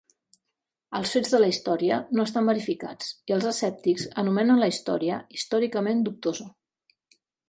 Els fets de la història no estan verificats, i els escèptics anomenen la història "històricament dubtosa".